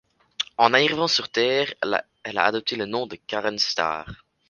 En arrivant sur Terre, elle a adopté le nom de Karen Starr.